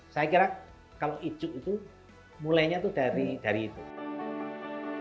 saya kira kalau icuk itu mulainya dari itu